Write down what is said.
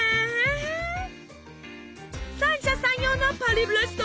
三者三様のパリブレスト。